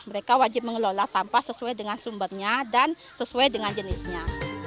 mereka wajib mengelola sampah sesuai dengan sumbernya dan sesuai dengan jenisnya